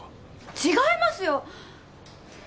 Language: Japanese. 違いますよ！